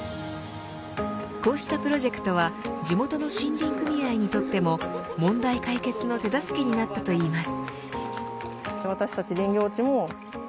こうしたプロジェクトは地元の森林組合にとっても問題解決の手助けになったといいます。